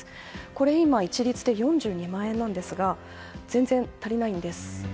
これは今一律で４２万円なんですが全然足りないんです。